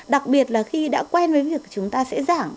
đặc biệt là khi đã quen với việc chúng ta sẽ giảm